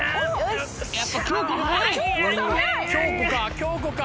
京子か？